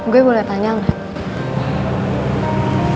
gue boleh tanya mak